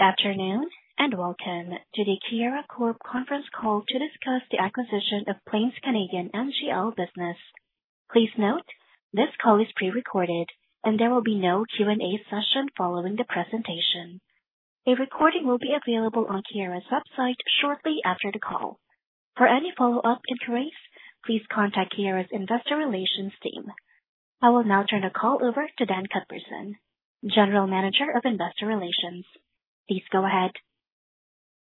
Good afternoon and welcome to the Keyera Conference call to discuss the acquisition of Plains Midstream Canada NGL business. Please note, this call is pre-recorded and there will be no Q&A session following the presentation. A recording will be available on Keyera's website shortly after the call. For any follow-up inquiries, please contact Keyera's investor relations team. I will now turn the call over to Dan Cuthbertson, General Manager of Investor Relations. Please go ahead.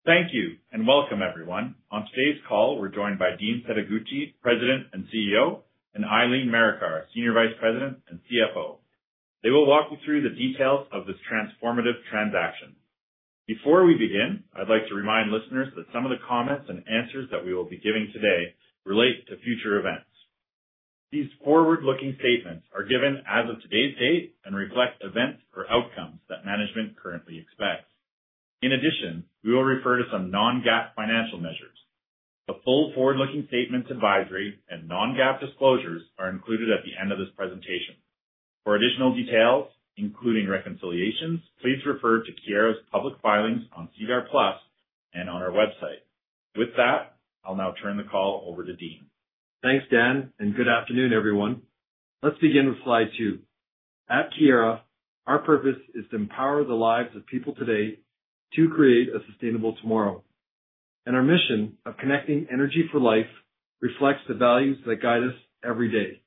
Thank you and welcome, everyone. On today's call, we're joined by Dean Setoguchi, President and CEO, and Eileen Mercier, Senior Vice President and CFO. They will walk you through the details of this transformative transaction. Before we begin, I'd like to remind listeners that some of the comments and answers that we will be giving today relate to future events. These forward-looking statements are given as of today's date and reflect events or outcomes that management currently expects. In addition, we will refer to some non-GAAP financial measures. The full forward-looking statements advisory and non-GAAP disclosures are included at the end of this presentation. For additional details, including reconciliations, please refer to Keyera' public filings on SEDAR Plus and on our website. With that, I'll now turn the call over to Dean. Thanks, Dan, and good afternoon, everyone. Let's begin with slide two. At Keyera, our purpose is to empower the lives of people today to create a sustainable tomorrow. Our mission of connecting energy for life reflects the values that guide us every day.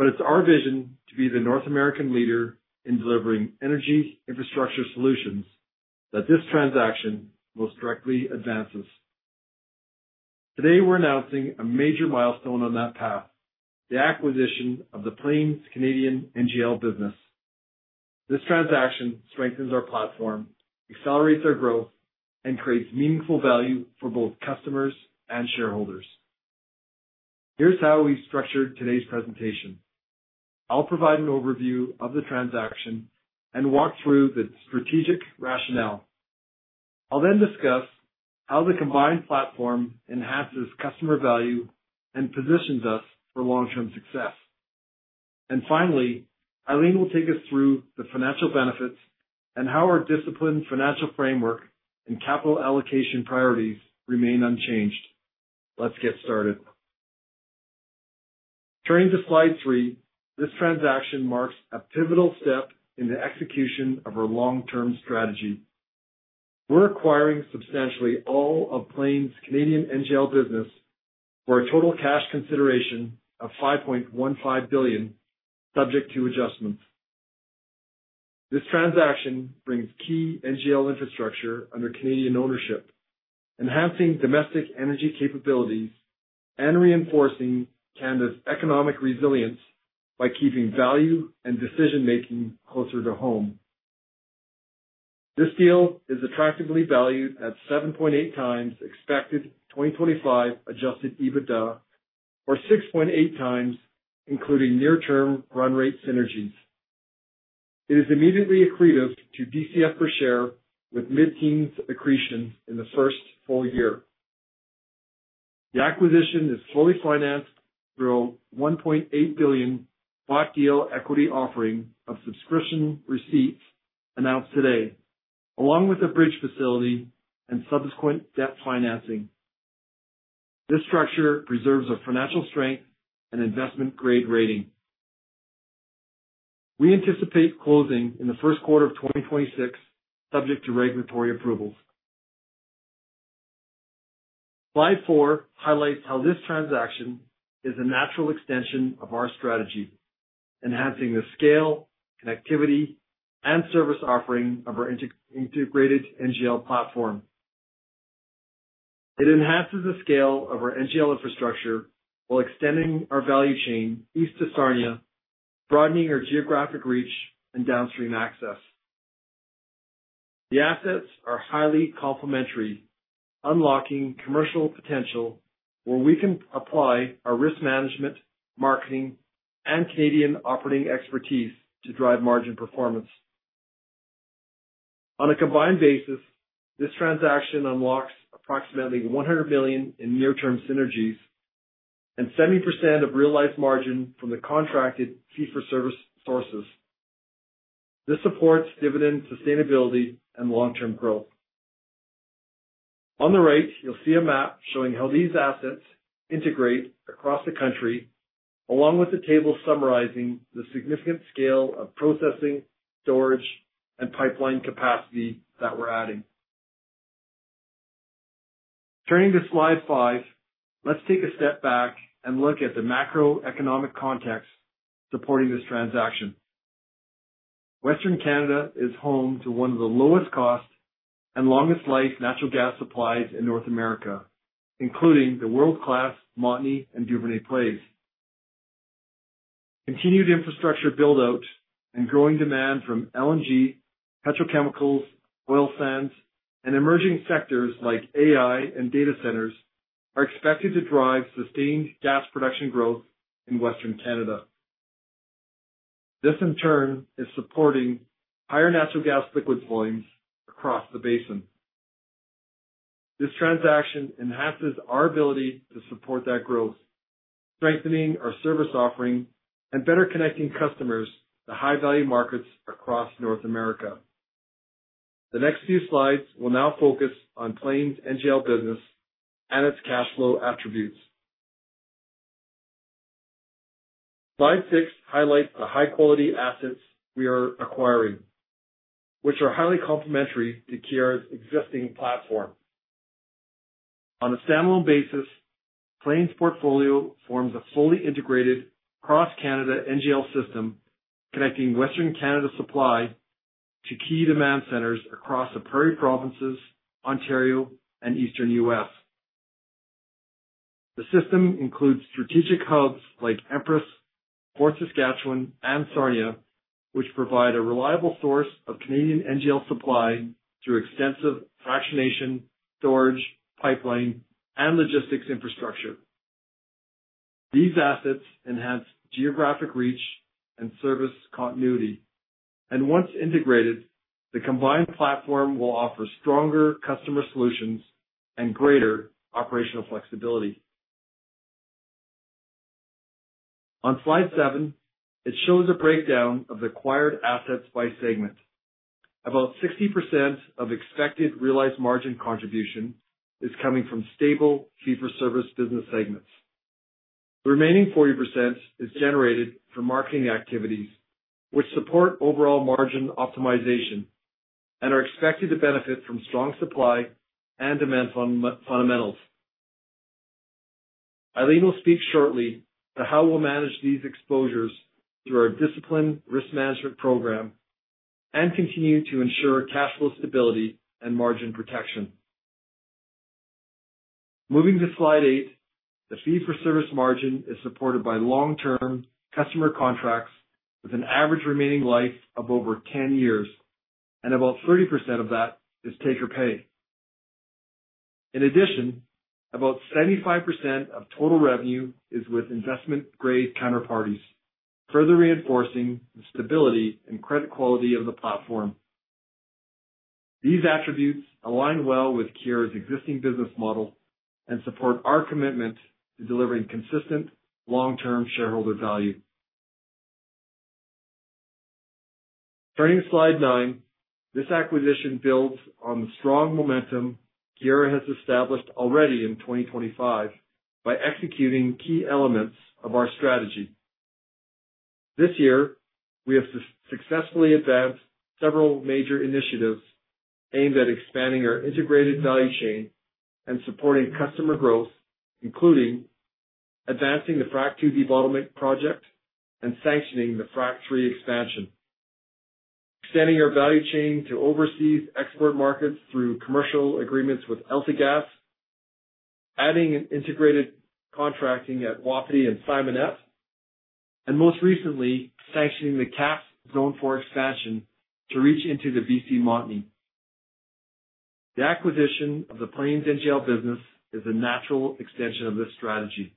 It is our vision to be the North American leader in delivering energy infrastructure solutions that this transaction most directly advances. Today, we're announcing a major milestone on that path: the acquisition of the Plains Canadian NGL business. This transaction strengthens our platform, accelerates our growth, and creates meaningful value for both customers and shareholders. Here's how we structured today's presentation. I'll provide an overview of the transaction and walk through the strategic rationale. I'll then discuss how the combined platform enhances customer value and positions us for long-term success. Finally, Eileen will take us through the financial benefits and how our disciplined financial framework and capital allocation priorities remain unchanged. Let's get started. Turning to slide three, this transaction marks a pivotal step in the execution of our long-term strategy. We're acquiring substantially all of Plains Canadian NGL business for a total cash consideration of 5.15 billion, subject to adjustments. This transaction brings key NGL infrastructure under Canadian ownership, enhancing domestic energy capabilities and reinforcing Canada's economic resilience by keeping value and decision-making closer to home. This deal is attractively valued at 7.8 times expected 2025 Adjusted EBITDA, or 6.8 times including near-term run rate synergies. It is immediately accretive to DCF per share with mid-teens accretion in the first full year. The acquisition is fully financed through a 1.8 billion bought deal equity offering of subscription receipts announced today, along with a bridge facility and subsequent debt financing. This structure preserves our financial strength and investment-grade rating. We anticipate closing in the first quarter of 2026, subject to regulatory approvals. Slide four highlights how this transaction is a natural extension of our strategy, enhancing the scale, connectivity, and service offering of our integrated NGL platform. It enhances the scale of our NGL infrastructure while extending our value chain east to Sarnia, broadening our geographic reach and downstream access. The assets are highly complementary, unlocking commercial potential where we can apply our risk management, marketing, and Canadian operating expertise to drive margin performance. On a combined basis, this transaction unlocks approximately 100 million in near-term synergies and 70% of realized margin from the contracted fee-for-service sources. This supports dividend sustainability and long-term growth. On the right, you'll see a map showing how these assets integrate across the country, along with a table summarizing the significant scale of processing, storage, and pipeline capacity that we're adding. Turning to slide five, let's take a step back and look at the macroeconomic context supporting this transaction. Western Canada is home to one of the lowest-cost and longest-life natural gas supplies in North America, including the world-class Montney and Duvernay plays. Continued infrastructure build-out and growing demand from LNG, petrochemicals, oil sands, and emerging sectors like AI and data centers are expected to drive sustained gas production growth in Western Canada. This, in turn, is supporting higher natural gas liquids volumes across the basin. This transaction enhances our ability to support that growth, strengthening our service offering and better connecting customers to high-value markets across North America. The next few slides will now focus on Plains NGL business and its cash flow attributes. Slide six highlights the high-quality assets we are acquiring, which are highly complementary to Keyera's existing platform. On a standalone basis, Plains' portfolio forms a fully integrated cross-Canada NGL system connecting Western Canada supply to key demand centers across the Prairie Provinces, Ontario, and Eastern U.S. The system includes strategic hubs like Empress, Fort Saskatchewan, and Sarnia, which provide a reliable source of Canadian NGL supply through extensive fractionation, storage, pipeline, and logistics infrastructure. These assets enhance geographic reach and service continuity. Once integrated, the combined platform will offer stronger customer solutions and greater operational flexibility. On slide seven, it shows a breakdown of the acquired assets by segment. About 60% of expected realized margin contribution is coming from stable fee-for-service business segments. The remaining 40% is generated from marketing activities, which support overall margin optimization and are expected to benefit from strong supply and demand fundamentals. Eileen will speak shortly to how we'll manage these exposures through our disciplined risk management program and continue to ensure cash flow stability and margin protection. Moving to slide eight, the fee-for-service margin is supported by long-term customer contracts with an average remaining life of over 10 years, and about 30% of that is take or pay. In addition, about 75% of total revenue is with investment-grade counterparties, further reinforcing the stability and credit quality of the platform. These attributes align well with Keyera's existing business model and support our commitment to delivering consistent long-term shareholder value. Turning to slide nine, this acquisition builds on the strong momentum Keyera has established already in 2025 by executing key elements of our strategy. This year, we have successfully advanced several major initiatives aimed at expanding our integrated value chain and supporting customer growth, including advancing the FRAC 2D bottleneck project and sanctioning the FRAC 3 expansion. Extending our value chain to overseas export markets through commercial agreements with AltaGas, adding integrated contracting at Wapiti and Simonette, and most recently, sanctioning the CAPS zone for expansion to reach into the Montney. The acquisition of the Plains NGL business is a natural extension of this strategy.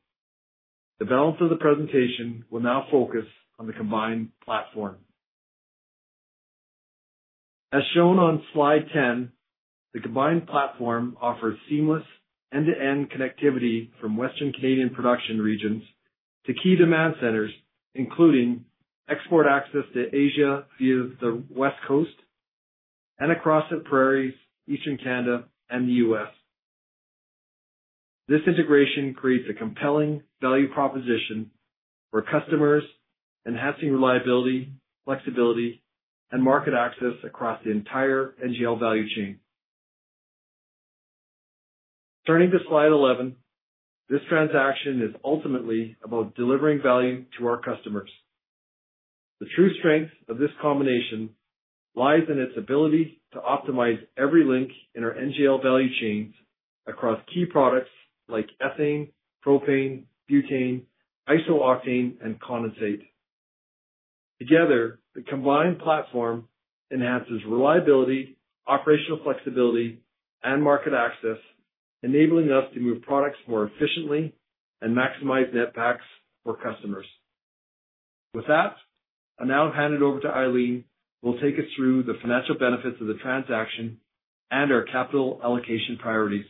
The balance of the presentation will now focus on the combined platform. As shown on slide 10, the combined platform offers seamless end-to-end connectivity from Western Canadian production regions to key demand centers, including export access to Asia via the West Coast and across the Prairie Provinces, Eastern Canada, and the U.S. This integration creates a compelling value proposition for customers, enhancing reliability, flexibility, and market access across the entire NGL value chain. Turning to slide 11, this transaction is ultimately about delivering value to our customers. The true strength of this combination lies in its ability to optimize every link in our NGL value chains across key products like ethane, propane, butane, isooctane, and condensate. Together, the combined platform enhances reliability, operational flexibility, and market access, enabling us to move products more efficiently and maximize net packs for customers. With that, I'll now hand it over to Eileen, who will take us through the financial benefits of the transaction and our capital allocation priorities.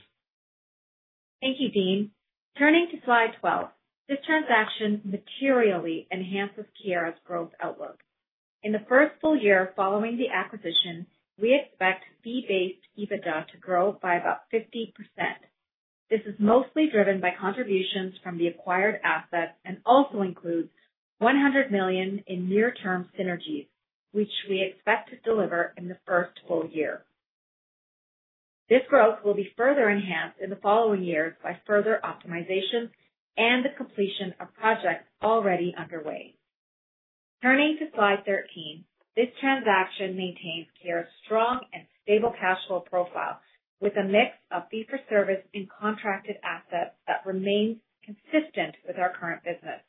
Thank you, Dean. Turning to slide 12, this transaction materially enhances Keyera's growth outlook. In the first full year following the acquisition, we expect fee-based EBITDA to grow by about 50%. This is mostly driven by contributions from the acquired assets and also includes $100 million in near-term synergies, which we expect to deliver in the first full year. This growth will be further enhanced in the following years by further optimizations and the completion of projects already underway. Turning to slide 13, this transaction maintains Keyera's strong and stable cash flow profile with a mix of fee-for-service and contracted assets that remains consistent with our current business.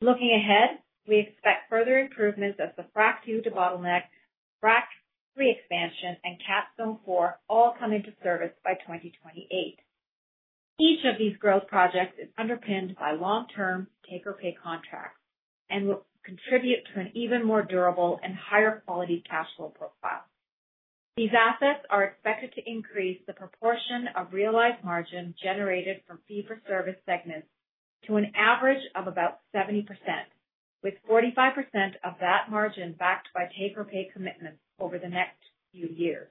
Looking ahead, we expect further improvements as the FRAC 2 to bottleneck, FRAC 3 expansion, and CAPS zone 4 all come into service by 2028. Each of these growth projects is underpinned by long-term take or pay contracts and will contribute to an even more durable and higher quality cash flow profile. These assets are expected to increase the proportion of realized margin generated from fee-for-service segments to an average of about 70%, with 45% of that margin backed by take or pay commitments over the next few years.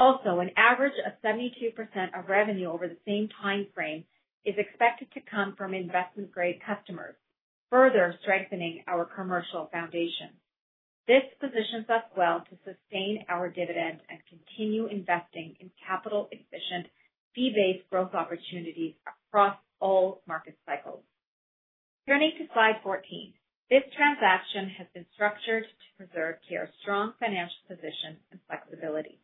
Also, an average of 72% of revenue over the same timeframe is expected to come from investment-grade customers, further strengthening our commercial foundation. This positions us well to sustain our dividend and continue investing in capital-efficient, fee-based growth opportunities across all market cycles. Turning to slide 14, this transaction has been structured to preserve Plains' strong financial position and flexibility.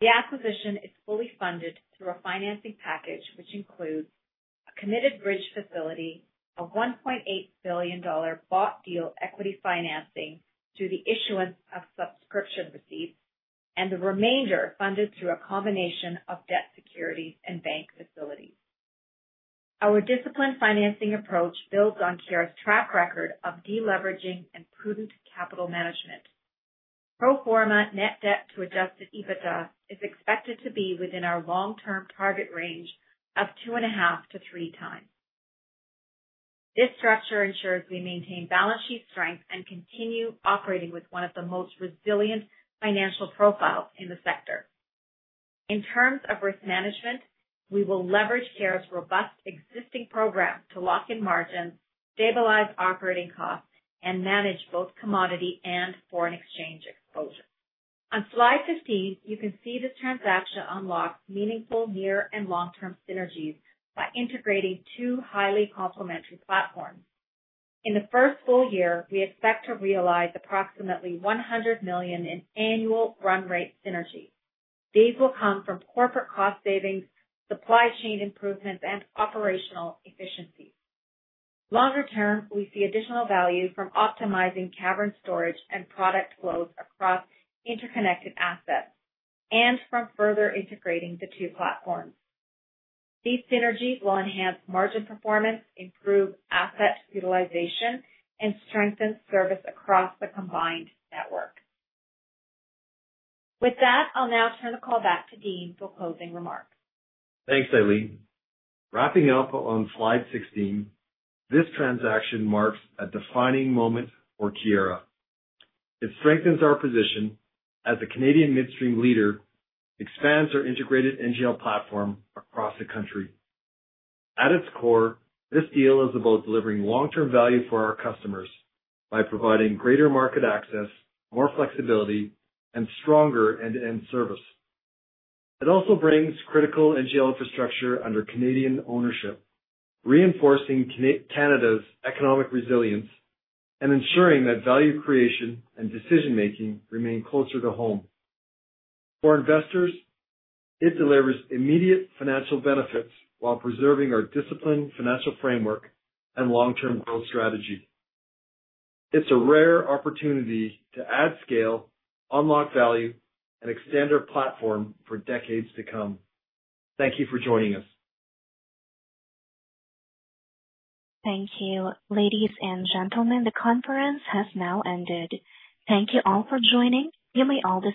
The acquisition is fully funded through a financing package, which includes a committed bridge facility, a 1.8 billion dollar bought deal equity financing through the issuance of subscription receipts, and the remainder funded through a combination of debt securities and bank facilities. Our disciplined financing approach builds on Plains' track record of deleveraging and prudent capital management. Pro forma net debt to adjusted EBITDA is expected to be within our long-term target range of 2.5-3 times. This structure ensures we maintain balance sheet strength and continue operating with one of the most resilient financial profiles in the sector. In terms of risk management, we will leverage Keyera's robust existing program to lock in margins, stabilize operating costs, and manage both commodity and foreign exchange exposure. On slide 15, you can see this transaction unlocks meaningful near and long-term synergies by integrating two highly complementary platforms. In the first full year, we expect to realize approximately $100 million in annual run rate synergies. These will come from corporate cost savings, supply chain improvements, and operational efficiencies. Longer term, we see additional value from optimizing cavern storage and product flows across interconnected assets and from further integrating the two platforms. These synergies will enhance margin performance, improve asset utilization, and strengthen service across the combined network. With that, I'll now turn the call back to Dean for closing remarks. Thanks, Eileen. Wrapping up on slide 16, this transaction marks a defining moment for Keyera. It strengthens our position as a Canadian midstream leader, expands our integrated NGL platform across the country. At its core, this deal is about delivering long-term value for our customers by providing greater market access, more flexibility, and stronger end-to-end service. It also brings critical NGL infrastructure under Canadian ownership, reinforcing Canada's economic resilience and ensuring that value creation and decision-making remain closer to home. For investors, it delivers immediate financial benefits while preserving our disciplined financial framework and long-term growth strategy. It's a rare opportunity to add scale, unlock value, and extend our platform for decades to come. Thank you for joining us. Thank you, ladies and gentlemen. The conference has now ended. Thank you all for joining. You may all.